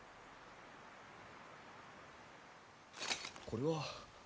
これは。